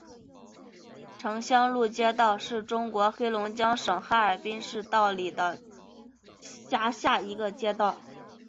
城乡路街道是中国黑龙江省哈尔滨市道里区下辖的一个街道。